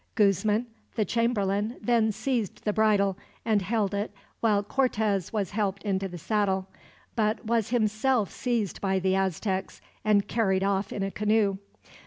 Guzman, the chamberlain, then seized the bridle, and held it while Cortez was helped into the saddle; but was himself seized by the Aztecs, and carried off in a canoe.